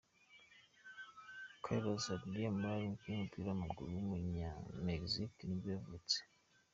Carlos Adrian Morales, umukinnyi w’umupira w’amaguru w’umunyamegizike nibwo yavutse.